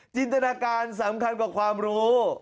จินตนาการสำคัญกว่าความรู้